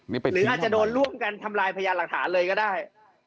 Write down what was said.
หรืออาจจะโดนร่วมกันทำลายพยานหลักฐานเลยก็ได้